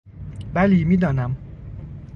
بلی، میدانم.